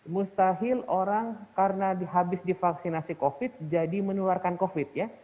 mustahil orang karena habis divaksinasi covid jadi menularkan covid ya